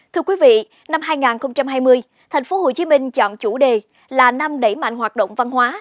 thưa quý vị năm hai nghìn hai mươi tp hcm chọn chủ đề là năm đẩy mạnh hoạt động văn hóa